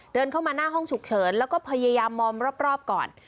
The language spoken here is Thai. เดินเข้ามาหน้าห้องฉุกเฉินแล้วก็พยายามมอมรอบก่อน